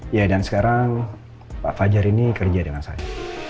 ya dan sekarang pak fajar ini kerja dengan saya